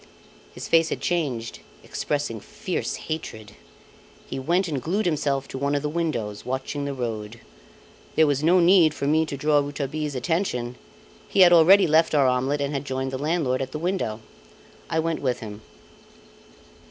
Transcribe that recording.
His face had changed, expressing fierce hatred. He went and glued himself to one of the windows, watching the road. There was no need for me to draw Rouletabille's attention; he had already left our omelette and had joined the landlord at the window. I went with him.